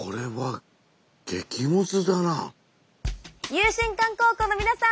湧心館高校の皆さん